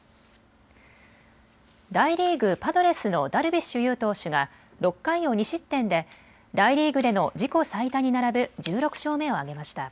大リーグ、パドレスのダルビッシュ有投手が６回を２失点で大リーグでの自己最多に並ぶ１６勝目を挙げました。